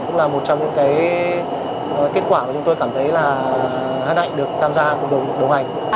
cũng là một trong những kết quả mà chúng tôi cảm thấy là hân hạnh được tham gia cùng đồng hành